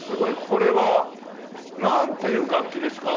これはなんという楽器ですか？